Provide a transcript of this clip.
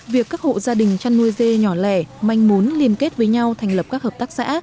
việc các hộ gia đình chăn nuôi dê nhỏ lẻ manh muốn liên kết với nhau thành lập các hợp tác xã